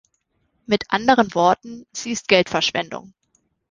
Mit anderen Worten, sie ist Geldverschwendung.